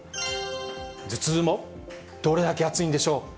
頭痛も、どれだけ暑いんでしょう。